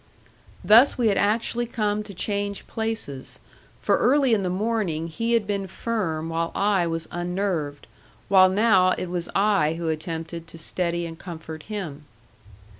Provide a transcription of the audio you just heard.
Thus we had actually come to change places; for early in the morning he had been firm while I was unnerved, while now it was I who attempted to steady and comfort him.